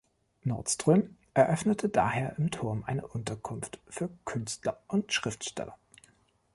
Nordström eröffnete daher im Turm eine Unterkunft für Künstler und Schriftsteller.